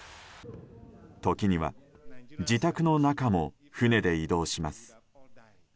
時には、自宅の中も船で移動します。